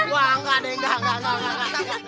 wah enggak deh enggak enggak enggak